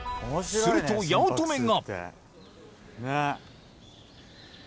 すると八乙女が。